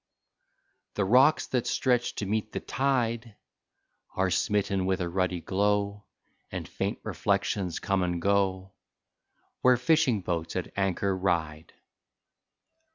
The rocks that stretch to meet the tide Are smitten with a ruddy glow. And faint reflections come and go Where fishing boats at anchor ride.